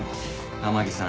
天樹さん